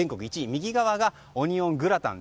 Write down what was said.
右側がオニオングラタン。